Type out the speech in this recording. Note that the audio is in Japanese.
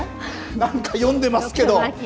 なんか読んでますけど。